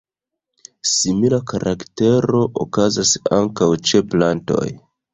Simila karaktero okazas ankaŭ ĉe plantoj.